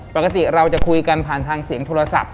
ปกติเราจะคุยกันผ่านทางเสียงโทรศัพท์